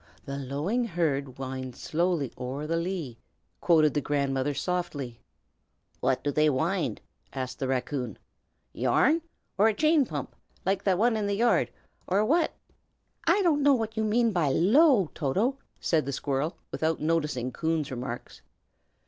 "'The lowing herd winds slowly o'er the lea,'" quoted the grandmother, softly. "What do they wind?" asked the raccoon. "Yarn, or a chain pump like the one in the yard, or what?" "I don't know what you mean by low, Toto!" said the squirrel, without noticing Coon's remarks.